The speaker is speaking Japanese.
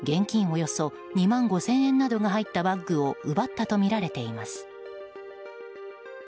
およそ２万５０００円などが入ったバッグを奪ったとみられています。